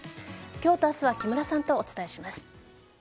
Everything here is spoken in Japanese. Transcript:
今日と明日は木村さんとお伝えします。